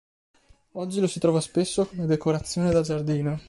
Oggi lo si trova spesso come decorazione da giardino.